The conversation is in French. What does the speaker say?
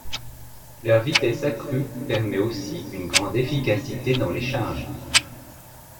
Leur vitesse accrue permet aussi une grande efficacité dans les charges.